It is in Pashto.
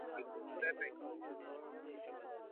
په لاس لیکل د زړونو د نږدې کولو لاره ده.